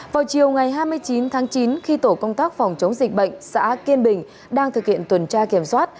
vào chiều ngày hai mươi chín tháng chín khi tổ công tác phòng chống dịch bệnh xã kiên bình đang thực hiện tuần tra kiểm soát